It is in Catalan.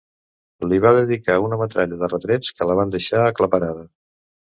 Li va dedicar una metralla de retrets que la van deixar aclaparada.